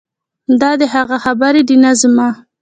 دا د هغه خبرې دي نه زما.